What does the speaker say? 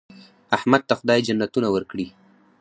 احمد ته خدای جنتونه ورکړي.